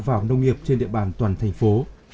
vào nông nghiệp trên địa bàn toàn thành phố